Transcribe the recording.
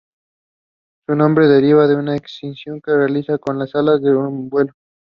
Su nombre deriva de una exhibición que realiza con las alas en vuelo.